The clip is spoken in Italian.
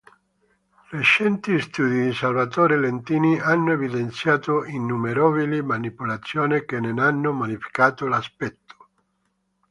Recenti studi di Salvatore Lentini hanno evidenziato innumerevoli manipolazioni che ne hanno modificato l'aspetto.